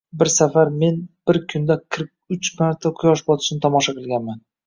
Bir safar men bir kunda qirq uch marta quyosh botishini tomosha qilganman!